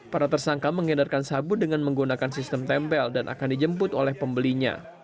para tersangka mengedarkan sabu dengan menggunakan sistem tempel dan akan dijemput oleh pembelinya